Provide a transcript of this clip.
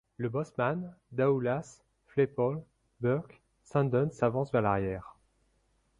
Le bosseman, Daoulas, Flaypol, Burke, Sandon s’avancent vers l’arrière.